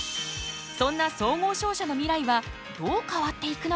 そんな総合商社の未来はどう変わっていくのか？